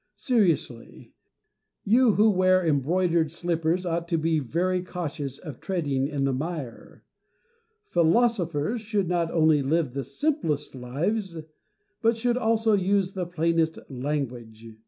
Seriously, you who wear embroidered slippers ought to be very cautious of treading in the mire. Philosophers should not only live the simplest lives, but should also use the plainest language.